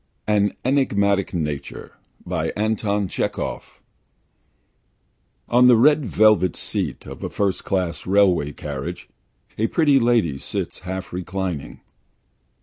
AN ENIGMATIC NATURE ON the red velvet seat of a first class railway carriage a pretty lady sits half reclining.